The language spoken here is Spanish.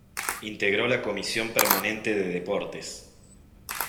Integró la comisión permanente de Deportes.